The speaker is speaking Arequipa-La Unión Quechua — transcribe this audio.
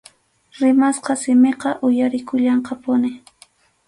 Rimasqa simiqa uyarikullanqapuni.